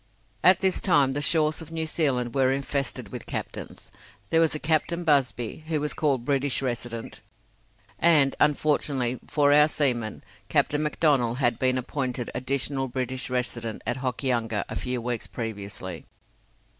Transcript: At this time the shores of New Zealand were infested with captains. There was a Captain Busby, who was called British Resident, and, unfortunately for our seamen, Captain McDonnell had been appointed Additional British Resident at Hokianga a few weeks previously.